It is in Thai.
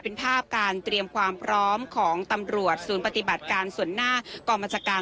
เป็นภาพการเตรียมความพร้อมของตำรวจศูนย์ปฏิบัติการส่วนหน้ากองบัญชาการ